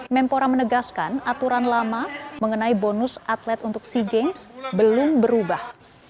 menpora menegaskan aturan lama mengenai bonus atlet untuk sea games belum berubah